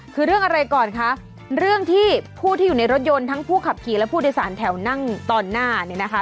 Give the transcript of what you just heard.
คือเรื่องอะไรก่อนคะเรื่องที่ผู้ที่อยู่ในรถยนต์ทั้งผู้ขับขี่และผู้โดยสารแถวนั่งตอนหน้าเนี่ยนะคะ